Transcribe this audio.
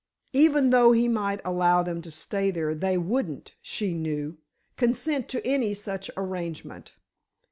Even though he might allow them to stay there, they wouldn't, she knew, consent to any such arrangement.